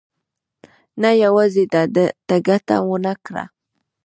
نه یوازې ده ته ګټه ونه کړه.